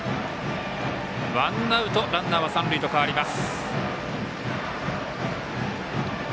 ワンアウトランナーは三塁と変わります。